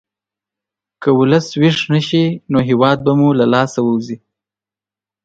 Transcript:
که ولس ویښ نه شي، نو هېواد به مو له لاسه ووځي.